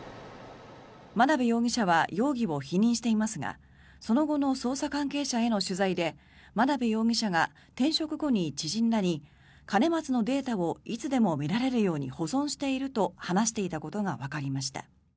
眞鍋容疑者は容疑を否認していますがその後の捜査関係者への取材で眞鍋容疑者が転職後に知人らに兼松のデータをいつでも見られるように保存していると話していたことがわかりました。